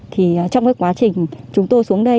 trong quá trình chúng tôi xuống đây